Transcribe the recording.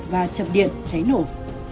và chập điện cháy nổ